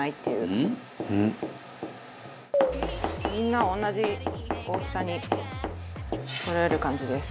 みんな同じ大きさにそろえる感じです。